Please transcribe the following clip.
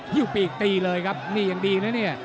ี่ยวปีกตีเลยครับนี่ยังดีนะเนี่ย